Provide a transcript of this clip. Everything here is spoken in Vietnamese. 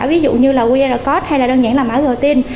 ví dụ như qr code hay đơn giản là mã gờ tin